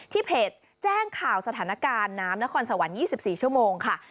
เพจแจ้งข่าวสถานการณ์น้ำนครสวรรค์๒๔ชั่วโมงค่ะ